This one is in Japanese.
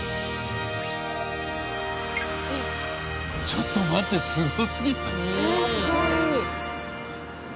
ちょっと待ってすごすぎない？